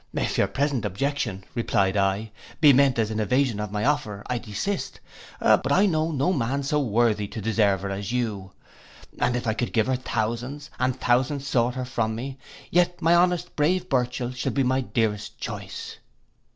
'If your present objection,' replied I, 'be meant as an evasion of my offer, I desist: but I know no man so worthy to deserve her as you; and if I could give her thousands, and thousands sought her from me, yet my honest brave Burchell should be my dearest choice.